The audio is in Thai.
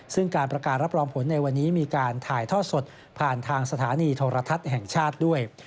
ซึ่งการประกาศรับรองผลในวันนี้มีการถ่ายทอดสดผ่านทางสถานีโทรทัศน์แห่งชาติด้วย